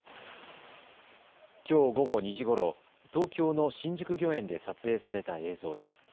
きょう午後２時ごろ、東京の新宿御苑で撮影された映像です。